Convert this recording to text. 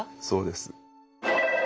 そうです。